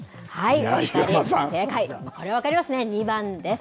これは分かりますね、２番です。